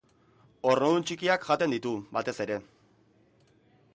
Ornodun txikiak jaten ditu, batez ere.